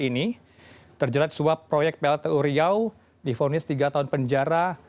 ini terjerat suap proyek pltu riau difonis tiga tahun penjara